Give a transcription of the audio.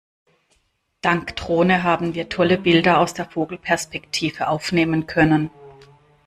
Dank Drohne haben wir tolle Bilder aus der Vogelperspektive aufnehmen können.